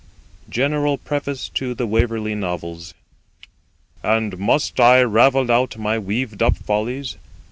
GENERAL PREFACE TO THE WAVERLEY NOVELS And must I ravel out My weaved up follies?